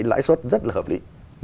lãi suất rất là hợp lý